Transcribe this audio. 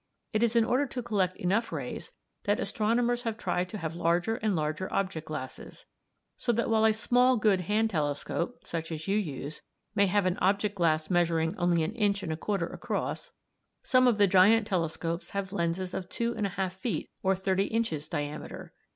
It is in order to collect enough rays that astronomers have tried to have larger and larger object glasses; so that while a small good hand telescope, such as you use, may have an object glass measuring only an inch and a quarter across, some of the giant telescopes have lenses of two and a half feet, or thirty inches, diameter.